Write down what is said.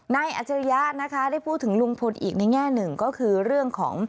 อัจฉริยะนะคะได้พูดถึงลุงพลอีกในแง่หนึ่งก็คือเรื่องของ